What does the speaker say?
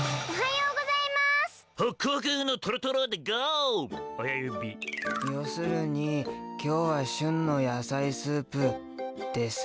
ようするにきょうはしゅんのやさいスープです。